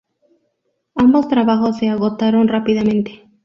Ambos trabajos se agotaron rápidamente.